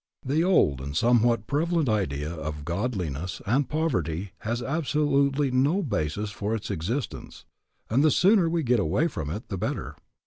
The old and somewhat prevalent idea of godliness and poverty has absolutely no basis for its existence, and the sooner we get away from it the better.